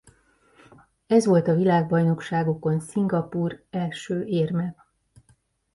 Ez volt a világbajnokságokon Szingapúr első érme.